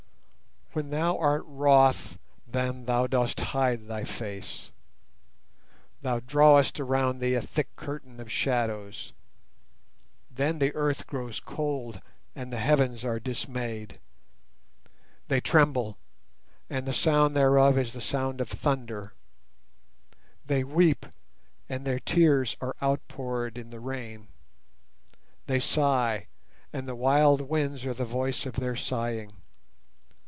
When Thou art wroth then Thou dost hide Thy face; Thou drawest around Thee a thick curtain of shadows. Then the Earth grows cold and the Heavens are dismayed; They tremble, and the sound thereof is the sound of thunder: They weep, and their tears are outpoured in the rain; They sigh, and the wild winds are the voice of their sighing.